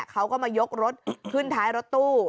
เขาก็มายกรถขึ้นท้ายรถตู้